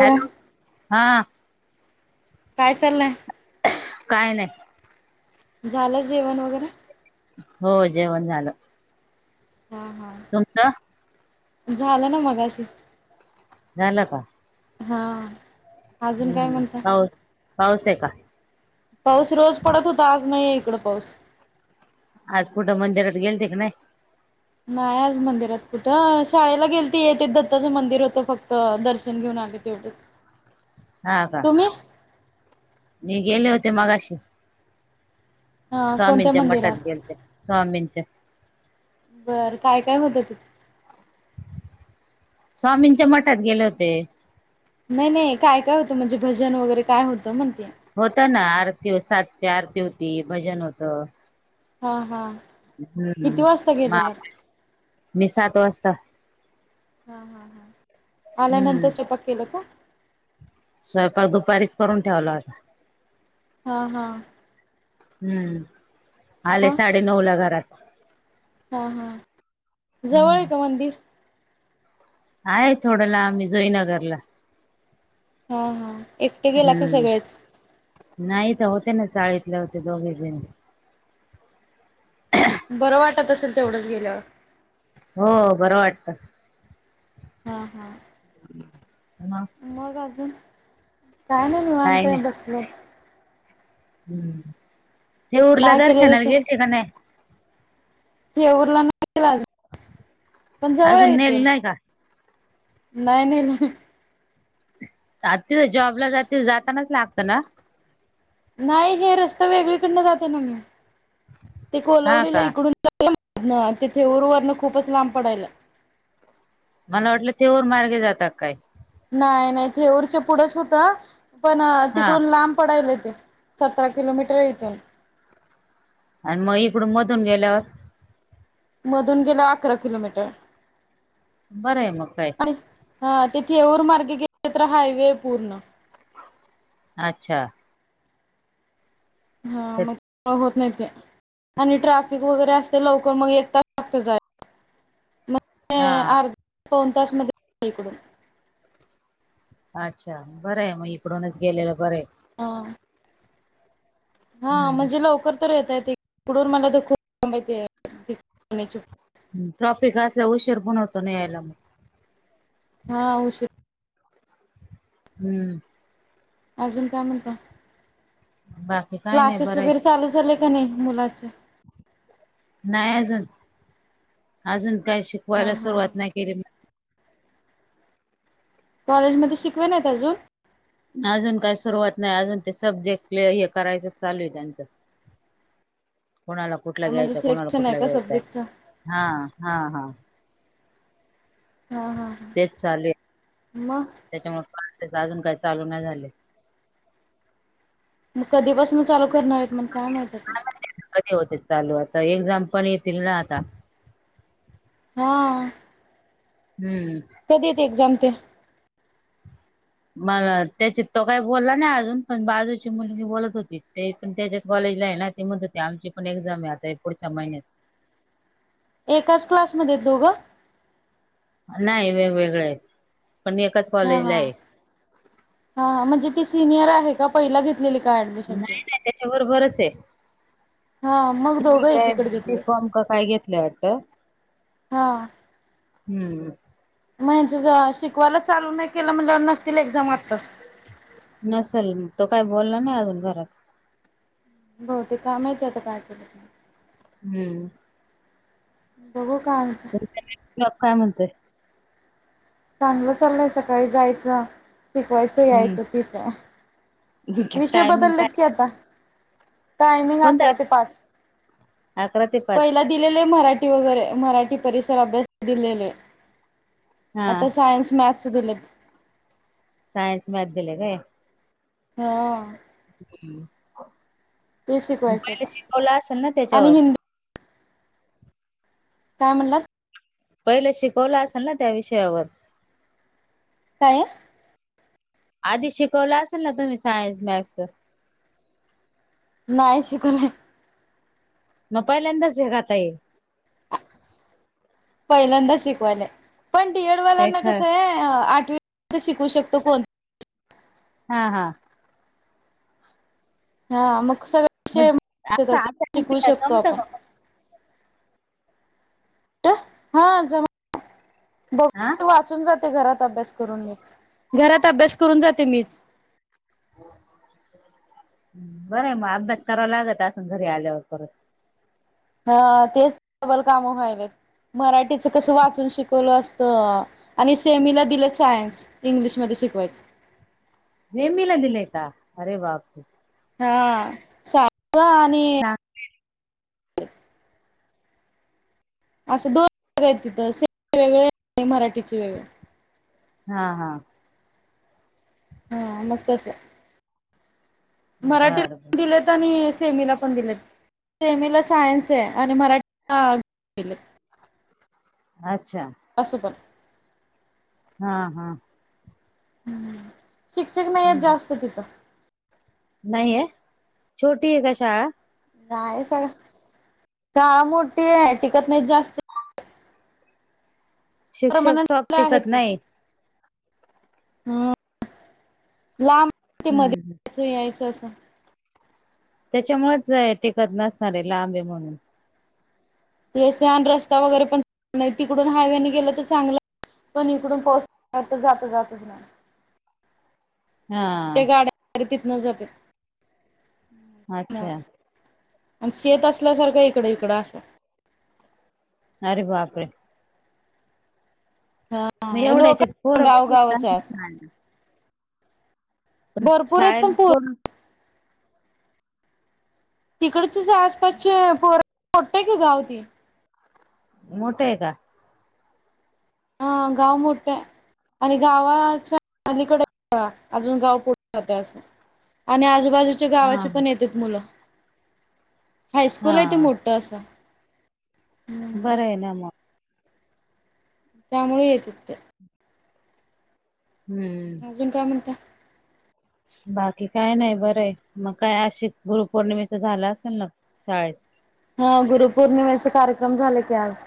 Hello हा. काय चाललंय? काय नाही. झालं जेवण वगैरे? हो जेवण झालं. हा हा. तुमचं? झालं ना मगाशी. झालं का? हा. अजून काय हम्म म्हणता? पाऊ पाऊस हे का? पाऊस रोज पडत होता आज नाहीेये इकड पाऊस. आज कुठं मंदिरात गेलते का ना य? नाही आज मंदिरात कुठं शाळेला गेलती येते मंदिर होतं फक्त दर्शन आले तेवड. [inaudible] [inaudible] हा का? तुम्ही? मी गेले होती मगाशी. हा कोणत्या स्वामींच्या मठात मंदिरात? गेलती स्वामीच्या. बरं काय काय होत तीथं? स्वामींच्या मठात गेले होते. नाही नाही काय काय होतं म्हणजे भजन वगैरे काय होतं म्हटल. होत ना आरती सातची आरती होती भजन होत हा हा किती हम्म वाजता म गेलेलं? मी सात वाजता. हा हा हा आल्या हम्म नंतर स्वयंपाक केलं का? स्वयंपाक दुपारीच करून ठेवला होता. हा हा. हम्म आले मग? साडेनऊ ला घरात. हा हा जवळ आहे हम्म का मंदिर? आहे थोड्या लाबये जोईनगरला. हा हा. एकटे गेला का सगळेच? हम्म नाही तर होत्या ना चाळीतल्या होत्या दोघी जणी बरं वाटत असेल तेवढंच गेल्यावर? हो बरं वाटतं. हा हा. मंग? मग अजून काय नाही काय निवांत नाही बसलोय. हम्म हे उर्ला काय केलेलं दर्शनाला स घेेतते का नाही [unintelligible] हे उरला नाही गेला अजून [unintelligible] पण अजून नेल नाही का? नाहि नेल. आ त जॉबला जातील जातानाच लागतं ना? नाही हे रस्ता वेगळीकडन जाते ना म्हणून ते हा कोलवडीला का इकडून [unintelligible] तिथे उर्वरणं खूपच लांब पडायल मला वाटलं ते होऊन मार्गे जातात का काय. नाही नाही ते रच पुढंच होतं पण हा तिकडून लांब पडायले ते सतरा किलोमीटरक्षयं [unintelligible] येतं आणि मग इकड मधून गेल्यावर मधून गेल्यावर अकरा किलोमीटर. बरं आहे मग काय. आणि हा तिथे [unintelligible] येऊर मार्ग गेले तर हायवे पूर्ण. अच्छा. हा मग [unintelligible] होत नाही ते आणि ट्राफ वगैरे असतय लवकर हा [unintelligible] पाउन तासमध्ये [unintelligible] इकडून. अच्छा बरं आहे मग इकडूनच गेलेलं बरंये. हां. हा म्हणजे हम्म लवकर तर येता येतय [unintelligible] ट्रॉफिक असल्या व उशीर पण नाही होतो ना यायला मग. हा उशीर हम्म. अजून काय म्हणता? हा [unintelligible] क्लासेस वगैरे चालू झाले का नाही मुलाचे? नाही अजून अजून काय हा शिकवायला हा सुरुवात हा नाही केली. कॉलेजमध्ये शिकवे नाहीत अजून? अजून काय सुरुवात नाही अजून ते सब्जेक्ट हे करायचं चालू आहे त्यांचं. कोणाला कुठला म्हणजे घ्यायचंय, कोणाला सिलेक्शन आहे कुठला का घ्यायचंय सब्जेक्टच हा हा हा. हा हा. हा तेच चालुये, मग त्याच्यामुळे अजून काही चालू नाही झाले. मग कधीपासून चालू करणार आहेत मण काय माहित आत कधी होते चालू आता, एक्झाम पण येतील ना आता. हा. हम्म. कधी येते एक्झाम ते? मला त्याचे तो काय बोलला नाही अजून पण बाजूची मुलगी बोलत होती ते पण त्याच्याच कॉलेजला याला. ते म होते आमची पण एक्झाम आहे आता पुढच्या महिन्यात. एकाच क्लासमध्ये दोघं? नाही वेगवेगळ आहेत, पण एकाच हा कॉलेजला हा आहे हा म्हणजे ते सिनियर आहे का पहिला घेतलेली कार्ड? नाही नाही त्याच्या बरोबरच आहे. हा मग तिने दोघं काय एकीकडे घेतले बिकॉम का काय घेतलं वाटत. हा हम्म हम्म. म्हण शिकवायच चालू नाही केलं म्हण ल नसतील एक्झाम आताच. नसेल मग तो काय बोलला नाही अजून घरात. ब ते कामाच आता काय केलं न हम्म. बघू का होतं काय म्हणतोय? चांगलं चाललंय सकाळी जायचं शिकवायचं हम्म यायचं तिच. विषय टायमिंग काय बदललेत की आता, टायमिंग कोणता अकरा ते पाच. अकरा ते पाच. पहिला दिलेले आहे मराठी वगैरे मराठी परिसर अभ्यास दिलेले. हा आता सायन्स मॅथस दिलेत. सायन्स मॅथ्स दिलेत होय. हा. हम्म, ते शिकवायचं पहिला होता शिकवला असेल ना आणि त्याच्यावर हिंदी काय म्हणलात? पहिले शिकवलं असेल ना त्या विषयावर. काय? आधी शिकवलं असेल ना तुम्ही सायन्स मॅथस. नाही शिकवले. म पहिल्यांदाच हेघात आहे? पहिल्यांदा शिकवायले पण काय डीएडवाल्यांना ख कसं आहे आठवी शिकू शकतो कोण हा हा. हा मग सगळा मग सेम असं अचानक शिकू दिला शकतो जमतं आपण. का? कुठे हा जमा बो हा? वाचून जाते घरात अभ्यास करून मीच घरात अभ्यास करून जाते मीच. बरं आहे मग, अभ्यास करावा लागत असल घरी आल्यावर परत. हा तेच की डबल काम व्हायल्यात. मराठीचं कसं वाचून शिकवलं असतं आणि सेमीला दिलं सायन्स. इंग्लिशमध्ये शिकवायचं. सेमीला दिलंय का, अरे बाप तू. हा सा पा आणि असं दोन आहेत तिथं सेमी वेगळे आणि मराठीचे वेगळे. हा हा. हां मग तसं. बर बर मराठीला दिले ते आणि सेमीला पण दिलेत. सेमीला सायन्स आहे आणि मराठी [inaudible] दिलंय. अच्छा. आसंपण. हा हा. शिक्षक नाहीयेत हम्म. जास्त तिथं. नाहीये, छोटी आहे का शाळा? नाही सगळं, शाळा मोठी आहे टिकत नाहीत जास्त. शिक्षक टॉप परमनंटला टिकत आहेत नाही. [unintelligible] हं लांब [unintelligible] ते हम्म मध्येच यायचं असं. त्याच्यामुळेच टिकत नसणारे लांब हाय म्हणून. एसट्या आणि रस्ता वगैरे पण तिकडून हायवेने गेलं तर चांगलं. पण इकडून पोचलं जात जातच नाही. त्या हा गाड्या तिथनंच जात्यात, हं. अच्छा आणि शेत असल्यासारखं इकडं इकडं असं. अरे बापरे. मग हां एवढ्या याच्यात लोकं पोरं कशी गावगावच आहे जातात असं. शाळेला? पण भरपूर आहेत पण शाळेत पोर कोण तिकडची शाळा आसपासचे पोरं मोठं आहे की गाव ती. मोठं हाय का? हां गाव मोठं हाय. आणि गावाच्या अलीकडे अजून [inaudible] गाव पुढं राहतंय असं. आणि आजूबाजू च्या हा गावाचीपण येत्यात मुलं, हायस्कूल हाय ते हा मोठं असं. हम्म बरं हाय ना मग. त्यामुळे येतेत तर. हम्म. अजून काय म्हणता? बाकी काय नाही बरं आहे, मग काय अशीच गुरुपौर्णिमेच झालं असेल ना शाळेत. हा गुरुपौर्णिमेचे कार्यक्रम झाले की आज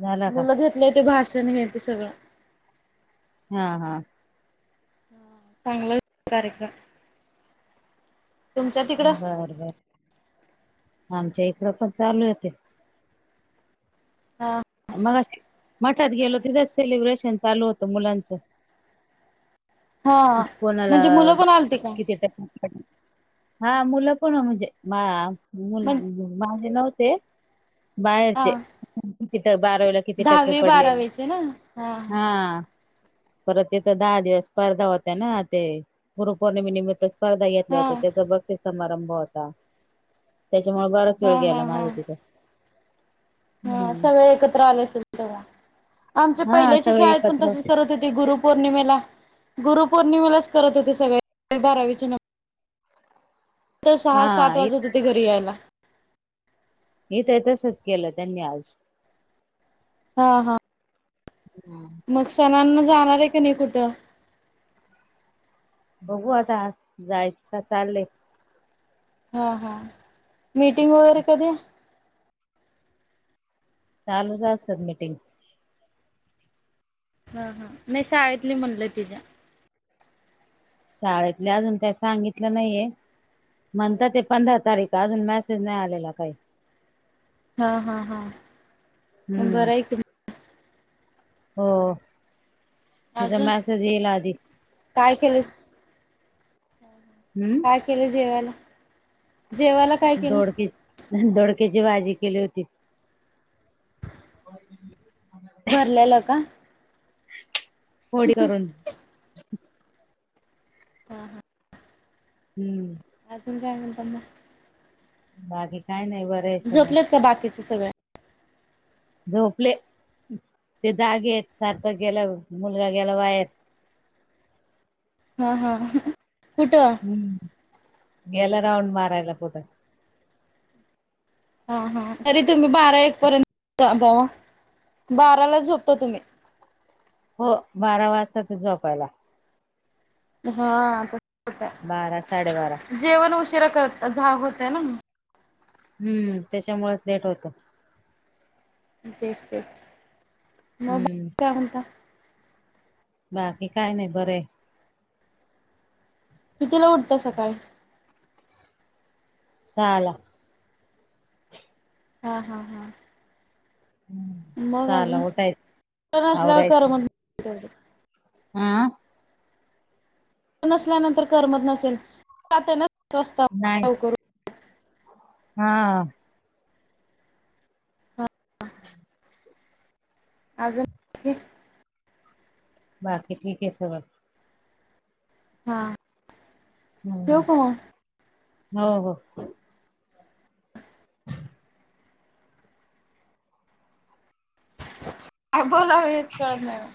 झाला का मुलं घेत ले ते भाषण हे ते सगळं. हा हा. चांगला [inaudible] कार्यक्रम. तुमच्या तिकडं बर बर, आमच्या इकडं पण चालू हाय ते. हा अ मगाशी मठात गेलो, तिथंच सेलिब्रेशन. चालू होतं मुलांचं. हा कित कोणाला म्हणजे मुलं पण आलती का कित टक्के. हा मुलं पण म्हणजे मुल. म्हण माझे नव्हते बाहेरचे. हा किती बारावीला किती टक्के दहावी पडले? बारावीचे ना हा. परत तथ दहा दिवस स्पर्धा होत ना ते गुरुपौर्णिमेनमित्तच. स्पर्धा घेतल्या हा होत्या त्याचा बक्षीस समारंभ होता. त्याच्यामुळे बराच वेळ हा गेला हा हा माझा तिथं. हा हम्म सगळे एकत्र आले अस तेव्हा आमच्या हा पहिल्याच्या सगळे शाळेत पण एकत्र तसेच करत हो ते ग्रुप पौर्णिमेला गुरु पौर्णिमेलाच करत होते सगळे बारावीच्या न तर सहा हा सात वाजत होते घरी यायला. हे तर तसच केलं त्यांनी आज. हा हा. हम्म. मग सणांना जाणार आहे का नाही कुठं? बघू आता जायचं का चाललय. हा हा मीटिंग वगैरे कधी? चालूच असतात मीटिंग. हा हा नाही शाळेतली म्हणलं तिच्या. शाळेतले अजून का सांगितलं नाहीये. म्हणता ते पंधरा तारीख अजून मॅसेज नाही आलेला काही. हा हा हा हम्म बरं आहे त हो तिचा अजून मेसेज येईल आधी. काय केलेस. हम्म. काय केलं जेवायला? जेवायला. काय केलं? दोडके दोडक्याची भाजी केली होती. [inaudible] भरलेला का? होडी करून. हा हा हम्म. अजून काय चाललंत. बाकी काय नाही, बर्थ. झोपलेत का बाकीचे सगळे? झोपले ते जाागेत सारख गेलं मुलगा गेला वाहेर. हा हा कुठं? हम्म गेला राऊंड मारायला कुठं. हा हा तरी तुम्ही बारा एक पर्यंत बावा बाराला झोपत तुम्ही. हो बारा वाजता ते जोपायला. हा, ठीक आहे. बारा साडे बारा. जेवण उशिरा करत झा होतय ना म. हम्म त्याच्यामुळेच लेट होत. तेच तेच, मग हम्म बाकी काय म्हणता. बाकी काय नाही बरंय. कितीला उठत सकाळी? सहा ला. हा हा हा. बघ सहाला अजून उठायचं सल्यावर आवरायचं करमत हा? नसल्यानंतर करमत नसेलात [unintelligible] ना स्वस्त नाही कर हा हा. उठ [inaudible] अजून पिन. बाकी ठीक आहे सगळ. हा. हम्म ठेवू हम्म. का मग? होय होय. काय बोलाव हेच कळत नाही बुवा.